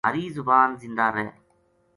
مھاری زبان زندہ رہ